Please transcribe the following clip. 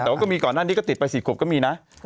แต่ว่าก็มีก่อนหน้านี้ก็ติดไป๔ขวบก็มีนะ